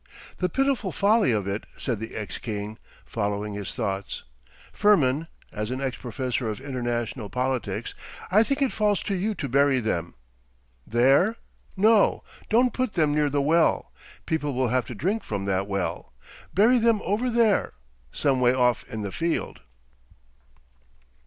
'The pitiful folly of it!' said the ex king, following his thoughts. 'Firmin, as an ex professor of International Politics, I think it falls to you to bury them. There? ... No, don't put them near the well. People will have to drink from that well. Bury them over there, some way off in the field.